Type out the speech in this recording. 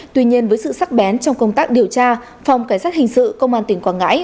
tuy nhiên với sự sắc bén trong công tác điều tra phòng cảnh sát hình sự công an tỉnh quảng ngãi